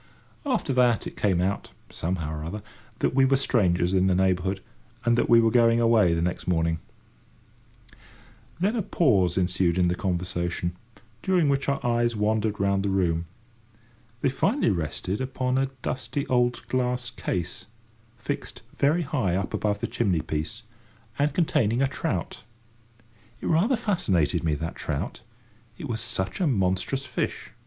After that it came out, somehow or other, that we were strangers in the neighbourhood, and that we were going away the next morning. [Picture: The trout] Then a pause ensued in the conversation, during which our eyes wandered round the room. They finally rested upon a dusty old glass case, fixed very high up above the chimney piece, and containing a trout. It rather fascinated me, that trout; it was such a monstrous fish.